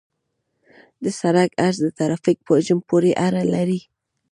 د سرک عرض د ترافیک په حجم پورې اړه لري